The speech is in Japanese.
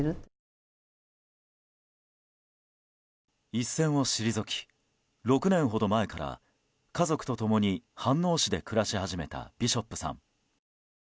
一線を退き、６年ほど前から家族と共に飯能市で暮らし始めたビショップさん。